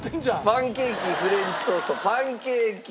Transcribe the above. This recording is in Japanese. パンケーキフレンチトーストパンケーキ。